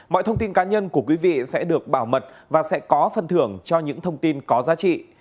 mọi thông tin cá nhân của quý vị sẽ được bảo mật và sẽ có phần thưởng cho những thông tin có giá trị